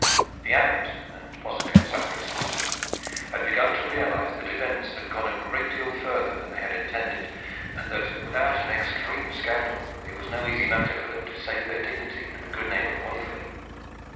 The Abbot, and possibly the sacrist also, had begun to realize that events had gone a great deal farther than they had intended, and that without an extreme scandal it was no easy matter for them to save their dignity and the good name of Waverley.